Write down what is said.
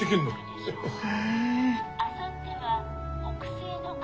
「あさっては北西の風。